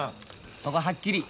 そこはっきり。